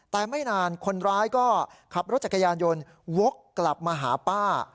แต่ไม่นานคนร้ายก็ขับรถจักรยานยนต์วกกลับมาหาป้า